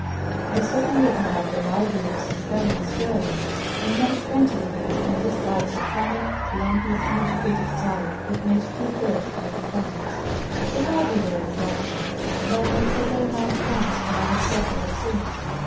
I certainly admired the liveliest and cleverest girls and made friends with them and disliked the common, lumpy, uneducated type that made two thirds of my companions. The lively girls liked me, and I made several nice friends whom I have kept ever since.